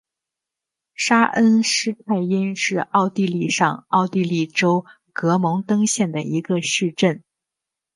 沙恩施泰因是奥地利上奥地利州格蒙登县的一个市镇。